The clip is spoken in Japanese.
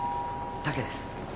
武です。